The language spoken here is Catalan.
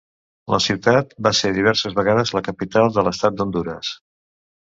La ciutat va ser diverses vegades la capital de l'estat d'Hondures.